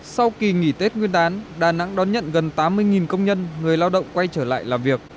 sau kỳ nghỉ tết nguyên đán đà nẵng đón nhận gần tám mươi công nhân người lao động quay trở lại làm việc